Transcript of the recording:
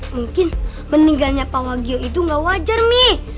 mungkin meninggalnya pawagio itu gak wajar mi